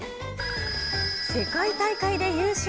世界大会で優勝。